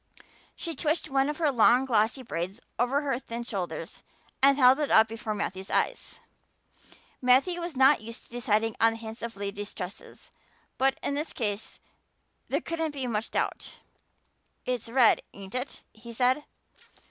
She twitched one of her long glossy braids over her thin shoulder and held it up before Matthew's eyes. Matthew was not used to deciding on the tints of ladies' tresses, but in this case there couldn't be much doubt. "It's red, ain't it?" he said.